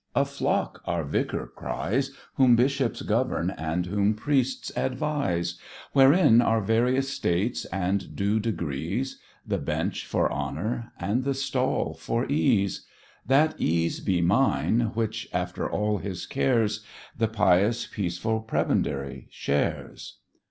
"A flock," our Vicar cries, "Whom bishops govern and whom priests advise; Wherein are various states and due degrees, The Bench for honour, and the Stall for ease; That ease be mine, which, after all his cares, The pious, peaceful prebendary shares."